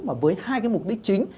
mà với hai mục đích chính